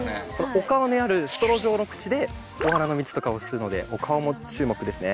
お顔にあるストロー状の口でお花の蜜とかを吸うのでお顔も注目ですね。